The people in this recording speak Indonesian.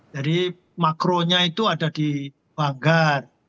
jadi makronya itu ada di banggar